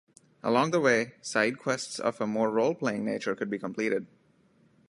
Along the way, side quests of a more role-playing nature could be completed.